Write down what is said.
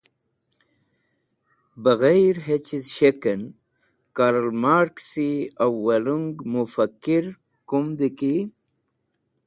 Baghair Hachiz Skekan, Karl Marksi Awalung Mufakkir Kumdki,